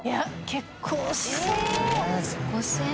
結構しそう。